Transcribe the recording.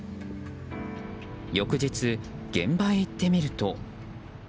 翌日、現場へ行ってみると。